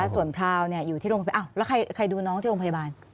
ส่วนพราวอยู่ที่โรงพยาบาลแล้วใครดูน้องที่โรงพยาบาล